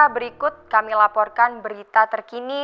berikut kami laporkan berita terkini